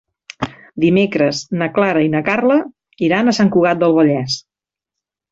Dimecres na Clara i na Carla iran a Sant Cugat del Vallès.